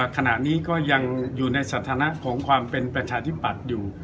ขณะนี้ก็ยังอยู่ในสถานะของความเป็นประชาธิปัตย์อยู่